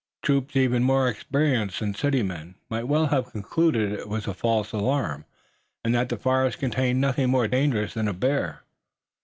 Troops even more experienced than the city men might well have concluded it was a false alarm, and that the forest contained nothing more dangerous than a bear.